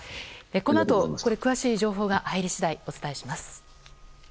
このあと詳しい情報が入り次第お伝えします。